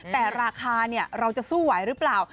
แต่ราคาเราจะสู้ไหวหรือเปล่า